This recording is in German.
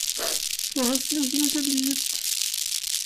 Du hast mich nie geliebt.